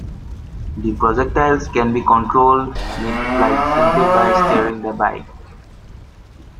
The projectiles can be controlled mid-flight simply by steering the bike.